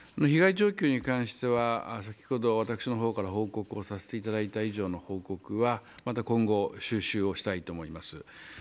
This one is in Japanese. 被害状況に関しては、先ほど私の方から報告をさせていただいた以上の報告はまた今後収集をしたいです。